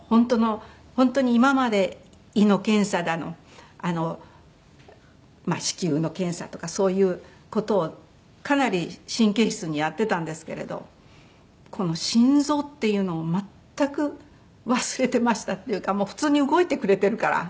本当に今まで胃の検査だの子宮の検査とかそういう事をかなり神経質にやってたんですけれど心臓っていうのを全く忘れてましたっていうか普通に動いてくれてるから。